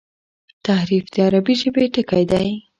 تحریف د عربي ژبي ټکی دﺉ.